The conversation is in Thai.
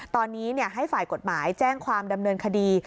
ตอนนี้ให้ฝ่ายกฎหมายแจ้งความดำเนินคดี